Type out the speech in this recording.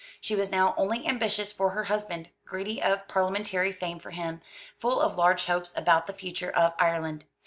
She was now only ambitious for her husband; greedy of parliamentary fame for him; full of large hopes about the future of Ireland.